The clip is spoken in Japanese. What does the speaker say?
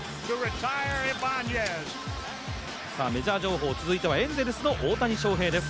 メジャー情報、続いてはエンゼルスの大谷翔平です。